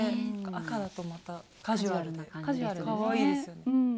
赤だとまたカジュアルな感じでかわいいです。